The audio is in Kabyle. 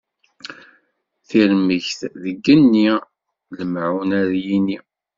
Tirmegt deg igenni, lmaɛun ar yini.